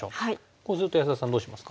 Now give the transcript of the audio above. こうすると安田さんどうしますか？